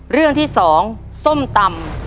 เรื่องที่๒ส้มตำ